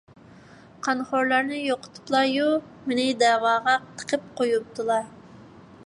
قانخورلارنى يوقىتىپلايۇ، مېنى دەۋاغا تىقىپ قويۇپتىلا.